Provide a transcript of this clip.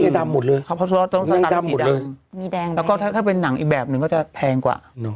นี่ไอ้ดำหมดเลยมีแดงแล้วก็ถ้าถ้าเป็นหนังอีกแบบหนึ่งก็จะแพงกว่า